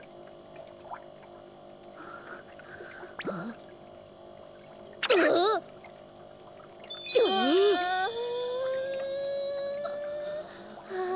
ああ。